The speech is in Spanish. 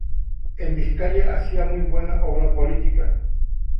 En Vizcaya hacía muy buena obra política.